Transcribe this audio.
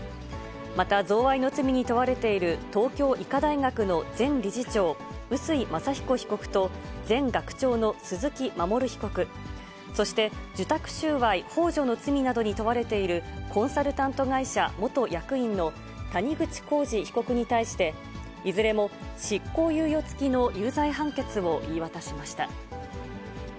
また、贈賄の罪に問われている東京医科大学の前理事長、臼井正彦被告と、前学長の鈴木衞被告、そして、受託収賄ほう助の罪などに問われているコンサルタント会社元役員の谷口浩司被告に対して、いずれも執行猶予付きの有罪判決を言い渡しました。